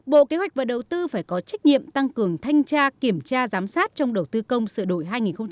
bộ kế hoạch và đầu tư phải có trách nhiệm tăng cường thanh tra kiểm tra giám sát trong đầu tư công sửa đổi hai nghìn hai mươi